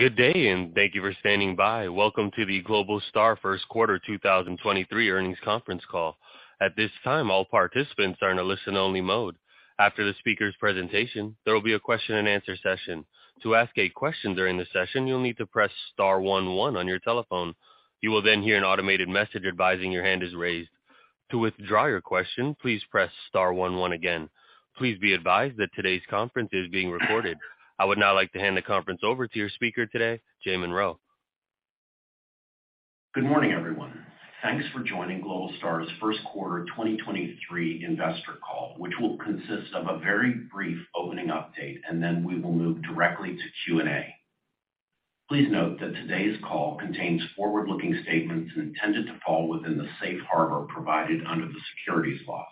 Good day, and thank you for standing by. Welcome to the Globalstar First Quarter 2023 Earnings Conference Call. At this time, all participants are in a listen only mode. After the speaker's presentation, there will be a question-and-answer session. To ask a question during the session, you'll need to press star one one on your telephone. You will then hear an automated message advising your hand is raised. To withdraw your question, please press star one one again. Please be advised that today's conference is being recorded. I would now like to hand the conference over to your speaker today, Jay Monroe. Good morning, everyone. Thanks for joining Globalstar's first quarter 2023 investor call, which will consist of a very brief opening update, and then we will move directly to Q&A. Please note that today's call contains forward-looking statements intended to fall within the safe harbor provided under the securities laws.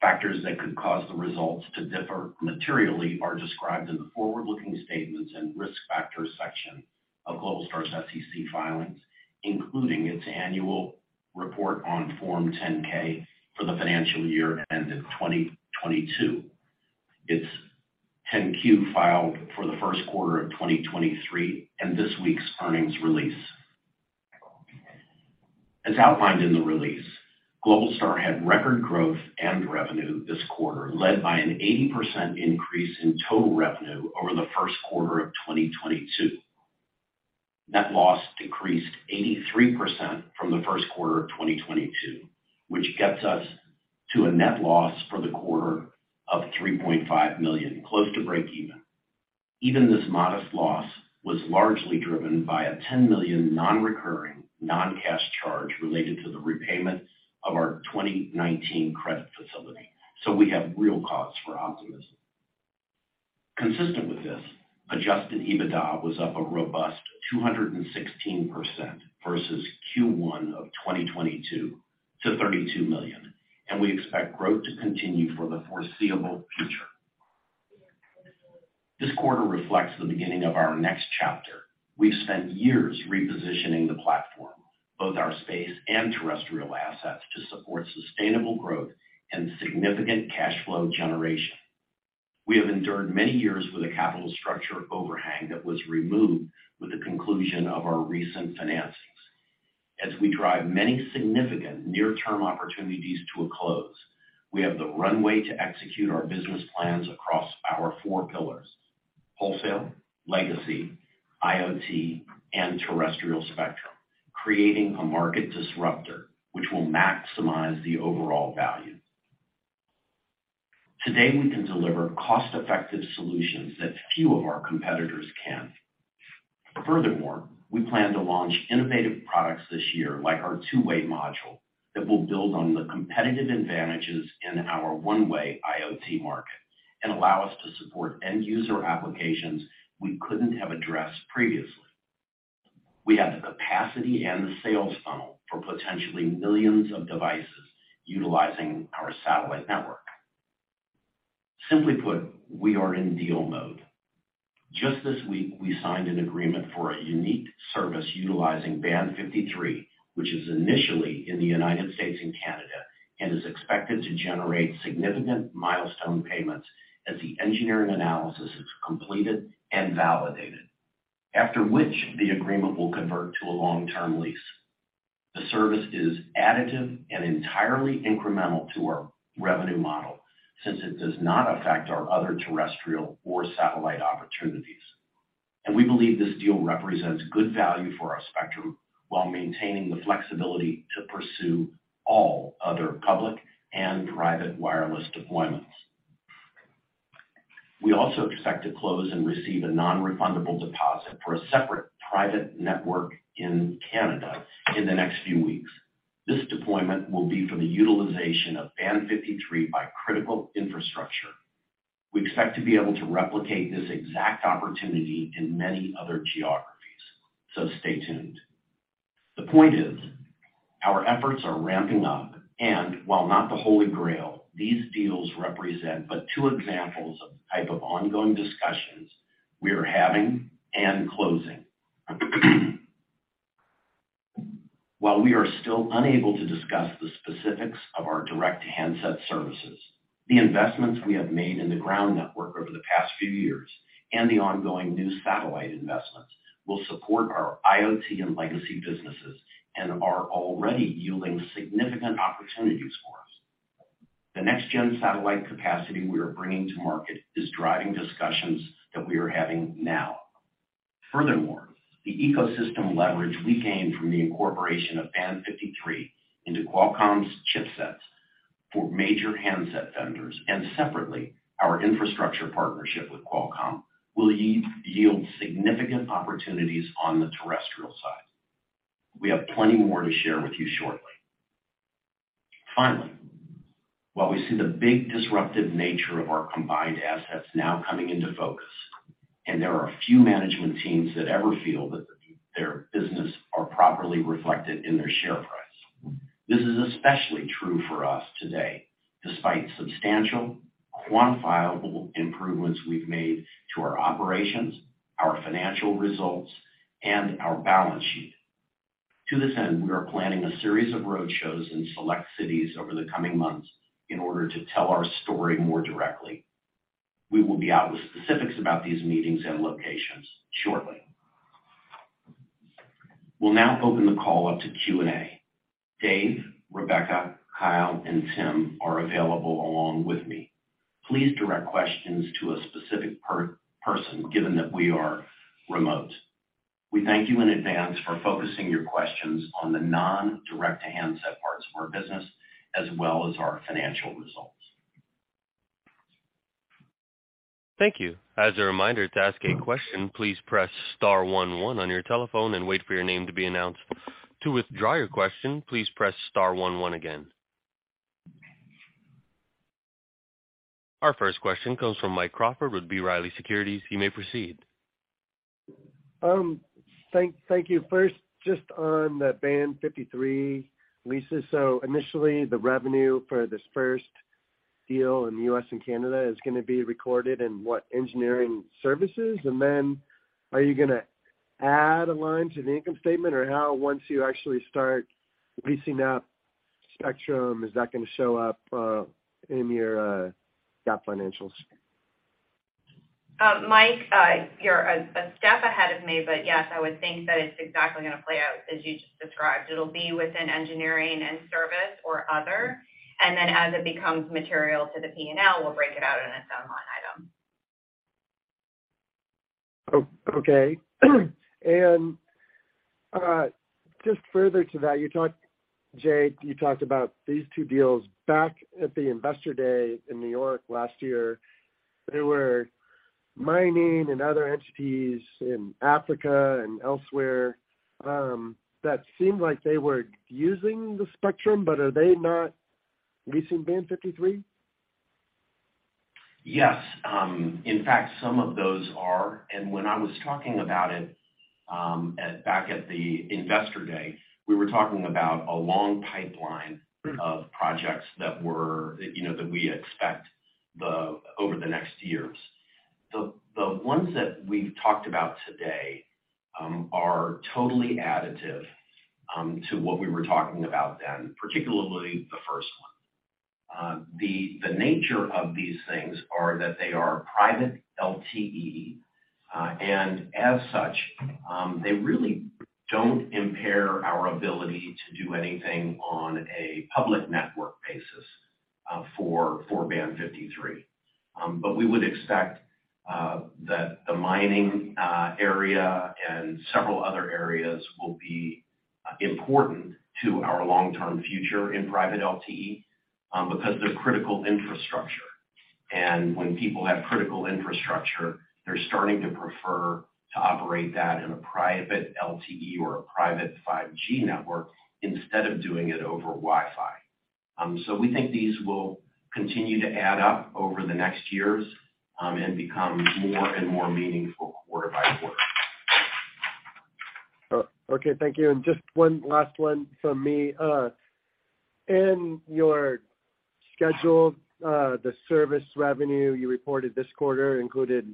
Factors that could cause the results to differ materially are described in the forward-looking statements and risk factors section of Globalstar's SEC filings, including its annual report on Form 10-K for the financial year ended 2022. Its 10-Q filed for the first quarter of 2023 and this week's earnings release. As outlined in the release, Globalstar had record growth and revenue this quarter, led by an 80% increase in total revenue over the first quarter of 2022. Net loss decreased 83% from the first quarter of 2022, which gets us to a net loss for the quarter of $3.5 million, close to breakeven. Even this modest loss was largely driven by a $10 million non-recurring non-cash charge related to the repayment of our 2019 facility agreement. We have real cause for optimism. Consistent with this, adjusted EBITDA was up a robust 216% versus Q1 of 2022 to $32 million, and we expect growth to continue for the foreseeable future. This quarter reflects the beginning of our next chapter. We've spent years repositioning the platform, both our space and terrestrial assets, to support sustainable growth and significant cash flow generation. We have endured many years with a capital structure overhang that was removed with the conclusion of our recent financings. As we drive many significant near-term opportunities to a close, we have the runway to execute our business plans across our four pillars wholesale, legacy, IoT, and terrestrial spectrum, creating a market disruptor which will maximize the overall value. Today, we can deliver cost-effective solutions that few of our competitors can. Furthermore, we plan to launch innovative products this year, like our two-way module that will build on the competitive advantages in our one-way IoT market and allow us to support end user applications we couldn't have addressed previously. We have the capacity and the sales funnel for potentially millions of devices utilizing our satellite network. Simply put, we are in deal mode. Just this week, we signed an agreement for a unique service utilizing Band 53, which is initially in the United States and Canada, and is expected to generate significant milestone payments as the engineering analysis is completed and validated, after which the agreement will convert to a long-term lease. The service is additive and entirely incremental to our revenue model, since it does not affect our other terrestrial or satellite opportunities. We believe this deal represents good value for our spectrum while maintaining the flexibility to pursue all other public and private wireless deployments. We also expect to close and receive a non-refundable deposit for a separate private network in Canada in the next few weeks. This deployment will be for the utilization of Band 53 by critical infrastructure. We expect to be able to replicate this exact opportunity in many other geographies, so stay tuned. The point is, our efforts are ramping up, and while not the Holy Grail, these deals represent but two examples of the type of ongoing discussions we are having and closing. While we are still unable to discuss the specifics of our direct handset services, the investments we have made in the ground network over the past few years and the ongoing new satellite investments will support our IoT and legacy businesses and are already yielding significant opportunities for us. The next gen satellite capacity we are bringing to market is driving discussions that we are having now. Furthermore, the ecosystem leverage we gain from the incorporation of Band 53 into Qualcomm's chipsets for major handset vendors, and separately, our infrastructure partnership with Qualcomm will yield significant opportunities on the terrestrial side. We have plenty more to share with you shortly. Finally, while we see the big disruptive nature of our combined assets now coming into focus, and there are a few management teams that ever feel that their business are properly reflected in their share price. This is especially true for us today. Despite substantial quantifiable improvements we've made to our operations, our financial results, and our balance sheet. To this end, we are planning a series of roadshows in select cities over the coming months in order to tell our story more directly. We will be out with specifics about these meetings and locations shortly. We'll now open the call up to Q&A. Dave, Rebecca, Kyle, and Tim are available along with me. Please direct questions to a specific per-person, given that we are remote. We thank you in advance for focusing your questions on the non-direct-to-handset parts of our business, as well as our financial results. Thank you. As a reminder, to ask a question, please press star one one on your telephone and wait for your name to be announced. To withdraw your question, please press star one one again. Our first question comes from Mike Crawford with B. Riley Securities. You may proceed. Thank you. First, just on the Band 53 leases. Initially, the revenue for this first deal in the U.S. and Canada is gonna be recorded in what engineering services? Are you gonna add a line to the income statement? How, once you actually start leasing that spectrum, is that gonna show up in your GAAP financials? Mike, you're a step ahead of me, but, yes, I would think that it's exactly gonna play out as you just described. It'll be within engineering and service or other. Then as it becomes material to the P&L, we'll break it out in its own line item. Okay. Just further to that, Jay, you talked about these two deals back at the Investor Day in New York last year. There were mining and other entities in Africa and elsewhere, that seemed like they were using the spectrum, but are they not leasing Band 53? Yes. In fact, some of those are. When I was talking about it, back at the Investor Day, we were talking about a long pipeline of projects that were, you know, that we expect over the next years. The ones that we've talked about today are totally additive to what we were talking about then, particularly the first one. The nature of these things are that they are private LTE. As such, they really don't impair our ability to do anything on a public network basis for Band 53. We would expect that the mining area and several other areas will be important to our long-term future in private LTE because they're critical infrastructure. When people have critical infrastructure, they're starting to prefer to operate that in a private LTE or a private 5G network instead of doing it over Wi-Fi. We think these will continue to add up over the next years, and become more and more meaningful quarter by quarter. Okay. Thank you. Just one last one from me. In your schedule, the service revenue you reported this quarter included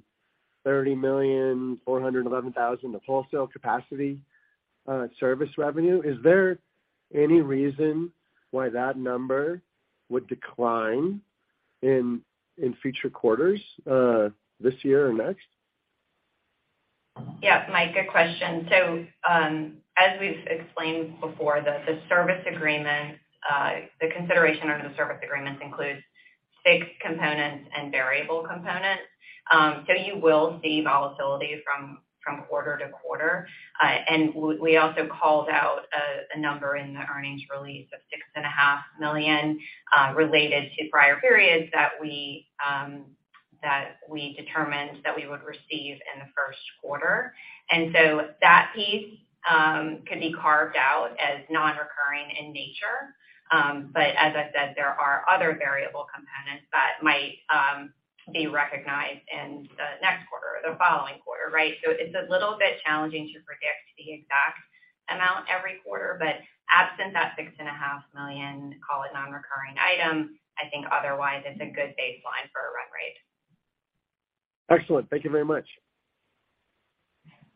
$30,411,000 of wholesale capacity service revenue. Is there any reason why that number would decline in future quarters this year or next? Yeah. Mike, good question. As we've explained before, the service agreement, the consideration under the service agreements includes fixed components and variable components. You will see volatility from quarter-to-quarter. We also called out a number in the earnings release of six and a half million related to prior periods that we determined that we would receive in the first quarter. That piece could be carved out as non-recurring in nature. As I said, there are other variable components that might be recognized in the next quarter or the following quarter, right? It's a little bit challenging to predict the exact amount every quarter, but absent that six and a half million, call it non-recurring item, I think otherwise it's a good baseline for a run rate. Excellent. Thank you very much.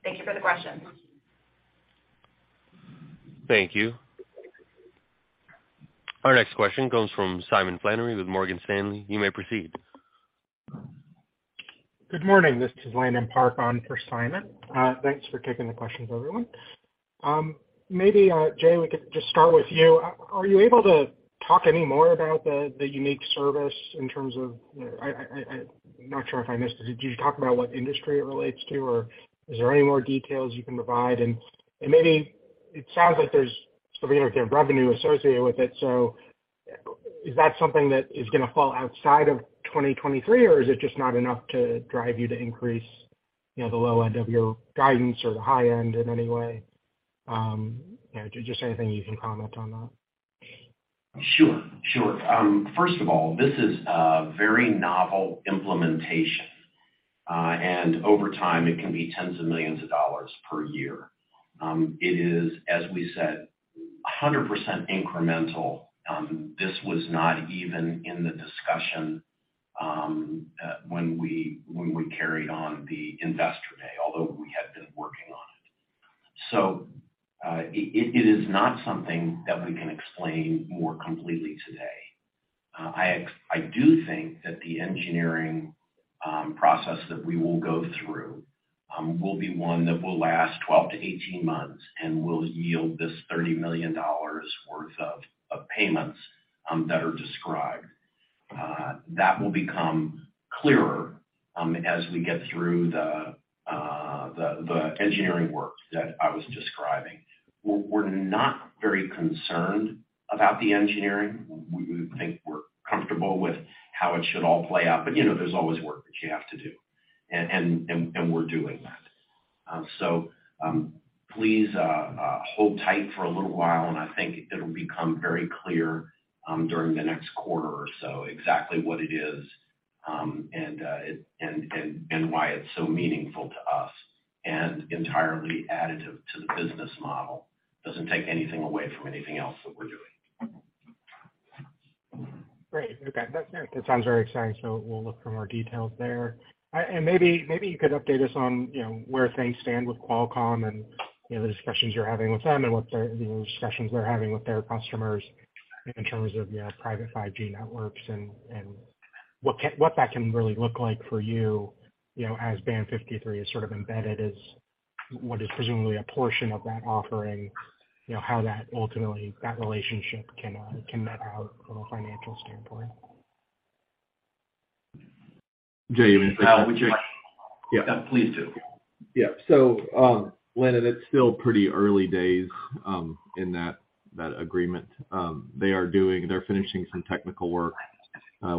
Thank you for the question. Thank you. Our next question comes from Simon Flannery with Morgan Stanley. You may proceed. Good morning. This is Landon Park on for Simon. Thanks for taking the questions, everyone. Maybe, Jay, we could just start with you. Are you able to talk any more about the unique service in terms of, you know, I'm not sure if I missed it. Did you talk about what industry it relates to, or is there any more details you can provide? Maybe it sounds like there's some repetitive revenue associated with it. Is that something that is gonna fall outside of 2023, or is it just not enough to drive you to increase, you know, the low end of your guidance or the high end in any way? You know, just anything you can comment on that? Sure. Sure. First of all, this is a very novel implementation, and over time, it can be $10 million per year. It is, as we said, 100% incremental. This was not even in the discussion when we, when we carried on the investor day, although we had been working on it. It, it is not something that we can explain more completely today. I do think that the engineering process that we will go through will be one that will last 12-18 months and will yield this $30 million worth of payments that are described. That will become clearer as we get through the engineering work that I was describing. We're, we're not very concerned about the engineering. We think we're comfortable with how it should all play out, but, you know, there's always work that you have to do and we're doing that. Please, hold tight for a little while, and I think it'll become very clear during the next quarter or so exactly what it is, and why it's so meaningful to us and entirely additive to the business model. Doesn't take anything away from anything else that we're doing. Great. Okay. That sounds very exciting, so we'll look for more details there. Maybe you could update us on, you know, where things stand with Qualcomm and, you know, the discussions you're having with them and what they're, you know, discussions they're having with their customers in terms of, you know, private 5G networks and what that can really look like for you know, as Band 53 is sort of embedded as what is presumably a portion of that offering, you know, how that ultimately, that relationship can net out from a financial standpoint? Jay, you wanna take that? Would you- Yeah. Please do. Landon, it's still pretty early days in that agreement. They're finishing some technical work.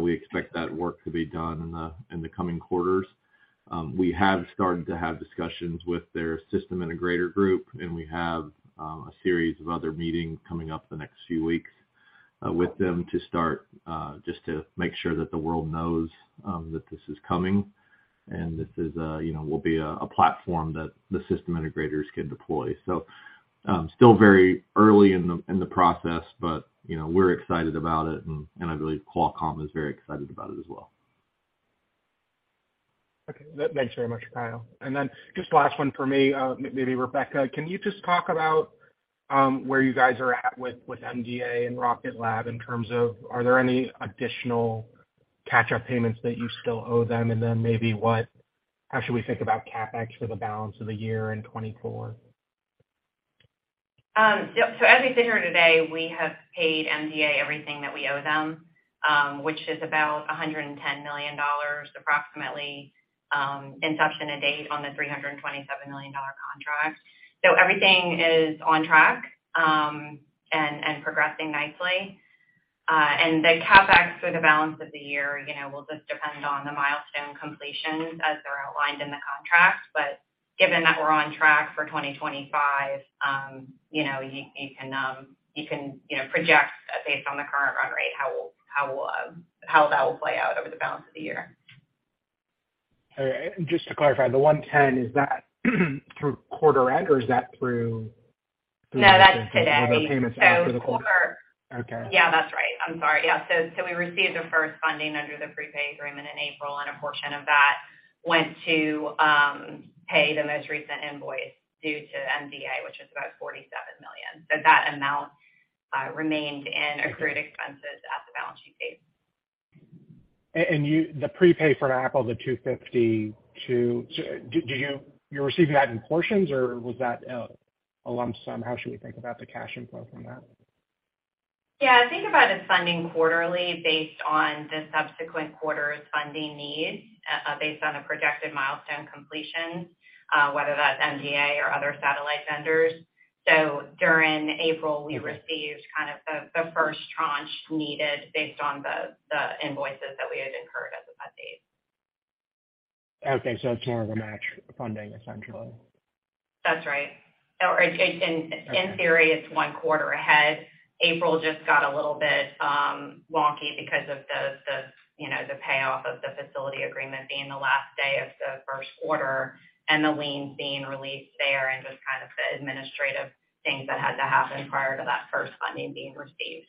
We expect that work to be done in the coming quarters. We have started to have discussions with their System Integrator group, and we have a series of other meetings coming up the next few weeks with them to start just to make sure that the world knows that this is coming and this is, you know, will be a platform that the System Integrators can deploy. Still very early in the process, but, you know, we're excited about it and I believe Qualcomm is very excited about it as well. Okay. Thanks very much, Kyle. Just last one for me, maybe Rebecca, can you just talk about where you guys are at with MDA and Rocket Lab in terms of are there any additional catch-up payments that you still owe them? Maybe how should we think about CapEx for the balance of the year and 2024? Yep. As we sit here today, we have paid MDA everything that we owe them, which is about $110 million, approximately, inception to date on the $327 million contract. Everything is on track and progressing nicely. The CapEx for the balance of the year, you know, will just depend on the milestone completions as they're outlined in the contract. Given that we're on track for 2025, you know, you can, you know, project based on the current run rate how that will play out over the balance of the year. Just to clarify, the 110, is that through quarter end or is that through? No, that's today. The payments are through the quarter. Quarter. Okay. Yeah, that's right. I'm sorry. Yeah. We received the first funding under the prepaid agreement in April, and a portion of that went to pay the most recent invoice due to MDA, which is about $47 million. That amount remained in accrued expenses at the balance sheet date. You the prepay for Apple, the $252, so you're receiving that in portions or was that a lump sum? How should we think about the cash inflow from that? Yeah. Think about it funding quarterly based on the subsequent quarter's funding needs, based on the projected milestone completion, whether that's MDA or other satellite vendors. During April, we received kind of the first tranche needed based on the invoices that we had incurred as of that date. Okay. It's more of a match funding, essentially. That's right. In theory, it's one quarter ahead. April just got a little bit wonky because of the, you know, the payoff of the facility agreement being the last day of the first quarter and the lien being released there and just kind of the administrative things that had to happen prior to that first funding being received.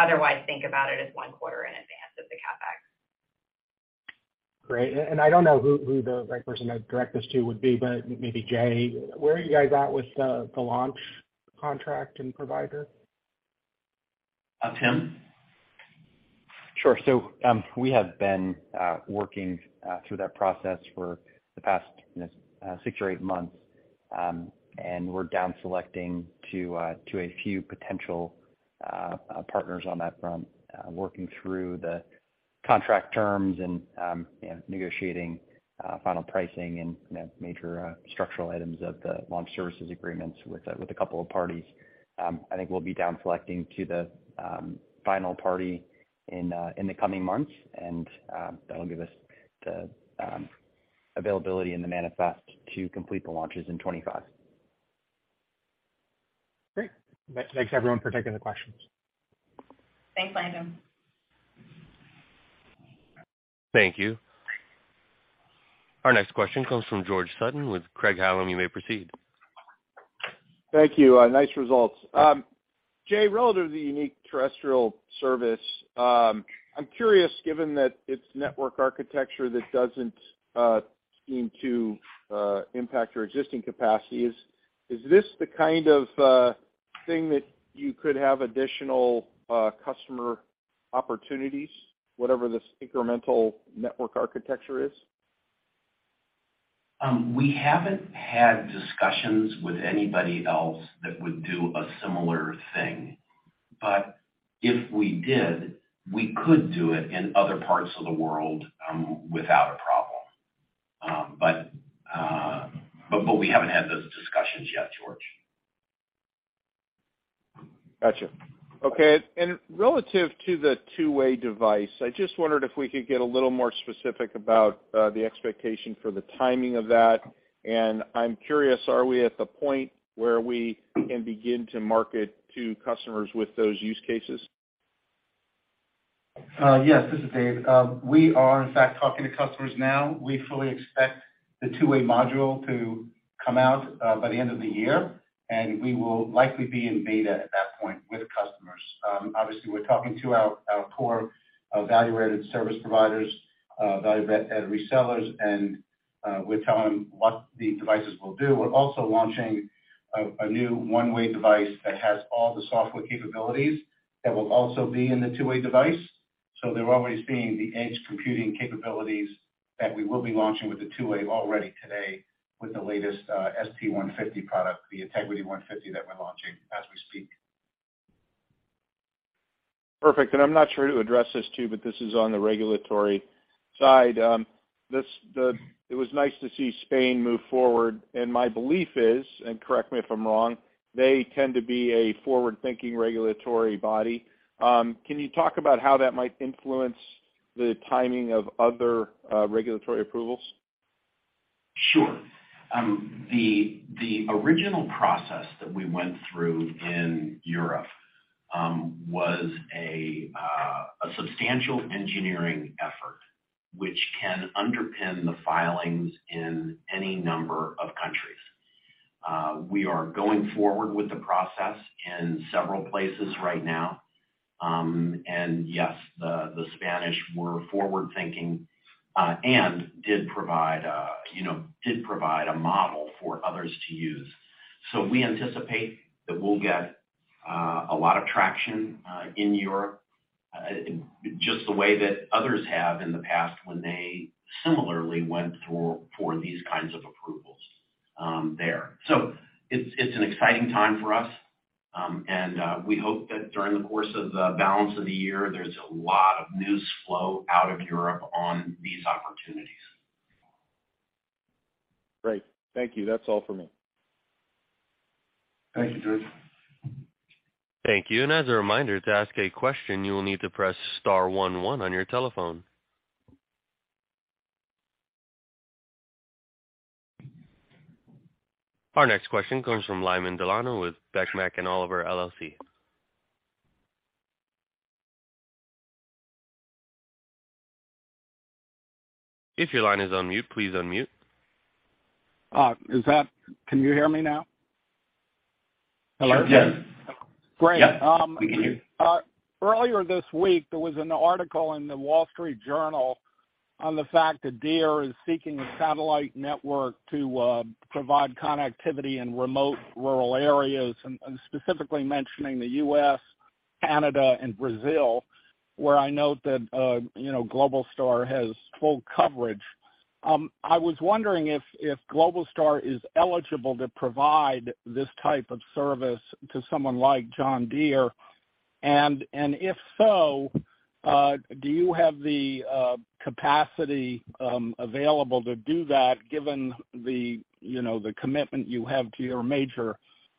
Otherwise, think about it as one quarter in advance of the CapEx. Great. I don't know who the right person to direct this to would be, but maybe Jay, where are you guys at with the launch contract and provider? Tim? Sure. We have been working through that process for the past, you know, 6 or 8 months. We're down selecting to a few potential partners on that front, working through the contract terms and, you know, negotiating final pricing and, you know, major structural items of the launch services agreements with a couple of parties. I think we'll be down selecting to the final party in the coming months, and that'll give us the availability in the manifest to complete the launches in 25. Great. Thanks, everyone, for taking the questions. Thanks, Landon. Thank you. Our next question comes from George Sutton with Craig-Hallum. You may proceed. Thank you. Nice results. Jay, relative to the unique terrestrial service, I'm curious, given that it's network architecture that doesn't seem to impact your existing capacities, is this the kind of thing that you could have additional customer opportunities, whatever this incremental network architecture is? We haven't had discussions with anybody else that would do a similar thing. If we did, we could do it in other parts of the world, without a problem. We haven't had those discussions yet, George. Got you. Okay. Relative to the two-way device, I just wondered if we could get a little more specific about the expectation for the timing of that. I'm curious, are we at the point where we can begin to market to customers with those use cases? Yes, this is Dave. We are in fact talking to customers now. We fully expect the two-way module to come out by the end of the year, and we will likely be in beta at that point with customers. Obviously, we're talking to our core value-added service providers, value-added resellers, and we're telling them what the devices will do. We're also launching a new one-way device that has all the software capabilities that will also be in the two-way device. They're always seeing the edge computing capabilities that we will be launching with the two-way already today with the latest ST150M product, the Integrity 150 that we're launching as we speak. Perfect. I'm not sure who to address this to, but this is on the regulatory side. It was nice to see Spain move forward. My belief is, and correct me if I'm wrong, they tend to be a forward-thinking regulatory body. Can you talk about how that might influence the timing of other, regulatory approvals? Sure. The original process that we went through in Europe was a substantial engineering effort which can underpin the filings in any number of countries. We are going forward with the process in several places right now. Yes, the Spanish were forward-thinking, and did provide, you know, did provide a model for others to use. We anticipate that we'll get a lot of traction in Europe, just the way that others have in the past when they similarly went through for these kinds of approvals there. It's an exciting time for us, and we hope that during the course of the balance of the year, there's a lot of news flow out of Europe on these opportunities. Great. Thank you. That's all for me. Thank you, George. Thank you. As a reminder, to ask a question, you will need to press star one one on your telephone. Our next question comes from Lyman DeLano with Beck, Mack & Oliver LLC. If your line is on mute, please unmute. Can you hear me now? Hello? Sure can. Great. Yep, we can hear you. Earlier this week, there was an article in The Wall Street Journal on the fact that Deere is seeking a satellite network to provide connectivity in remote rural areas and specifically mentioning the U.S., Canada, and Brazil, where I note that, you know, Globalstar has full coverage. I was wondering if Globalstar is eligible to provide this type of service to someone like John Deere. If so, do you have the capacity available to do that given the, you know, the commitment you have to your major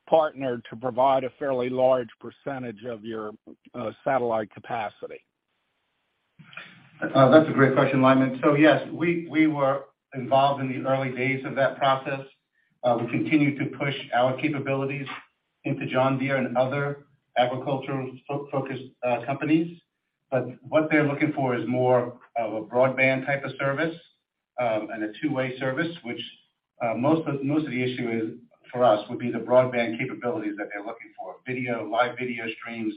partner to provide a fairly large percentage of your satellite capacity? That's a great question, Lyman. Yes, we were involved in the early days of that process. We continue to push our capabilities into John Deere and other agricultural focused companies. What they're looking for is more of a broadband type of service, and a two-way service, which most of the issue is for us would be the broadband capabilities that they're looking for, video, live video streams,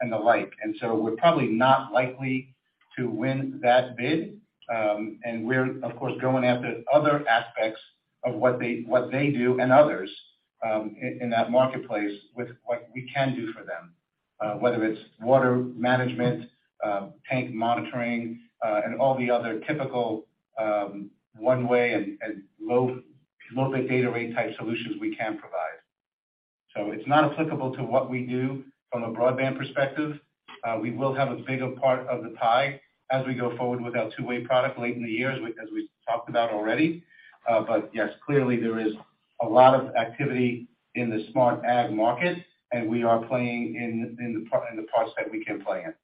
and the like. We're probably not likely to win that bid. We're, of course, going after other aspects of what they do and others in that marketplace with what we can do for them, whether it's water management, tank monitoring, and all the other typical one-way and low data rate type solutions we can provide. It's not applicable to what we do from a broadband perspective. We will have a bigger part of the pie as we go forward with our two-way product late in the year, as we've talked about already. Yes, clearly there is a lot of activity in the smart ag market, and we are playing in the parts that we can play in.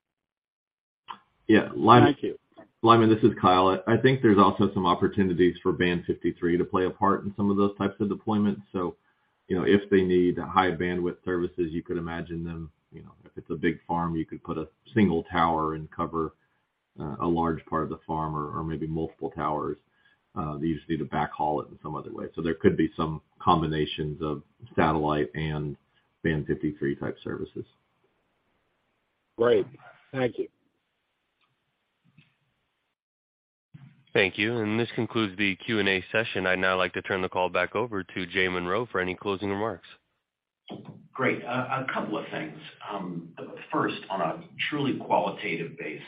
Yeah. Thank you. Lyman, this is Kyle. I think there's also some opportunities for Band 53 to play a part in some of those types of deployments. You know, if they need high bandwidth services, you could imagine them, you know, if it's a big farm, you could put a single tower and cover a large part of the farm or maybe multiple towers. They just need to backhaul it in some other way. There could be some combinations of satellite and Band 53 type services. Great. Thank you. Thank you. This concludes the Q&A session. I'd now like to turn the call back over to Jay Monroe for any closing remarks. Great. A couple of things. First, on a truly qualitative basis,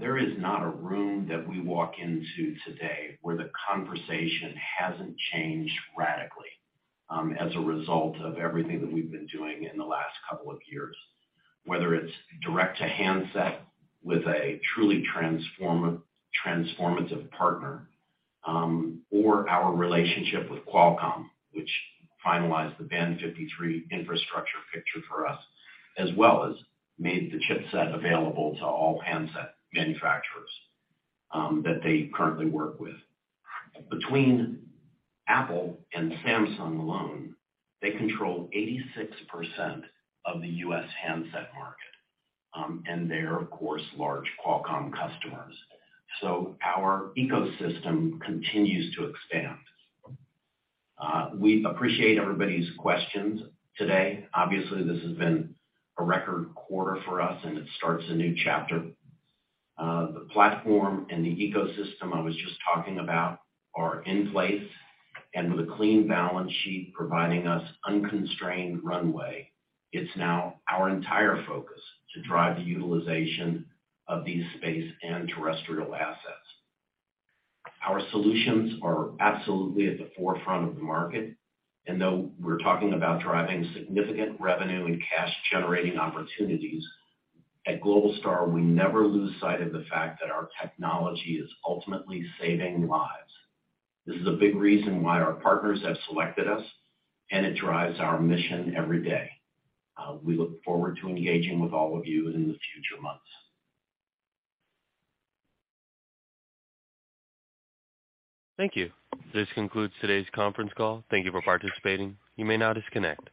there is not a room that we walk into today where the conversation hasn't changed radically, as a result of everything that we've been doing in the last couple of years, whether it's direct-to-handset with a truly transformative partner, or our relationship with Qualcomm, which finalized the Band 53 infrastructure picture for us, as well as made the chipset available to all handset manufacturers that they currently work with. Between Apple and Samsung alone, they control 86% of the U.S. handset market. They are, of course, large Qualcomm customers. Our ecosystem continues to expand. We appreciate everybody's questions today. Obviously, this has been a record quarter for us, and it starts a new chapter. The platform and the ecosystem I was just talking about are in place, and with a clean balance sheet providing us unconstrained runway, it's now our entire focus to drive the utilization of these space and terrestrial assets. Our solutions are absolutely at the forefront of the market, and though we're talking about driving significant revenue and cash generating opportunities, at Globalstar, we never lose sight of the fact that our technology is ultimately saving lives. This is a big reason why our partners have selected us, and it drives our mission every day. We look forward to engaging with all of you in the future months. Thank you. This concludes today's conference call. Thank you for participating. You may now disconnect.